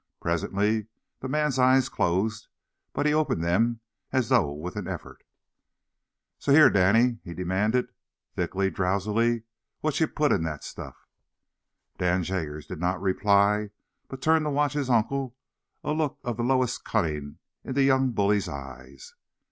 Presently the man's eyes closed, but he opened them as though with an effort. "S'here, Danny," he demanded, thickly, drowsily, "watcher put in that stuff?" Dan Joggers did not reply, but he turned to watch his uncle, a look of the lowest cunning in the young bully's eyes.